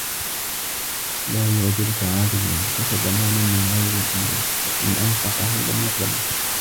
لَا يُعْجِبُك رَجُلٌ كَسَبَ مَالًا مِنْ غَيْرِ حِلِّهِ فَإِنْ أَنْفَقَهُ لَمْ يُقْبَلْ مِنْهُ